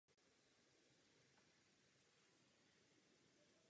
Tak Hájek označuje občanskou společnost.